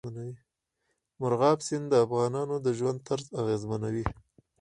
مورغاب سیند د افغانانو د ژوند طرز اغېزمنوي.